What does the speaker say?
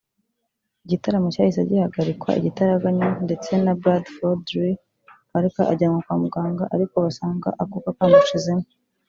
Igitaramo cyahise gihagarikwa igitaraganya ndetse Bradford Lee Parker ajyanwa kwa muganga ariko basanga akuka kamushizemo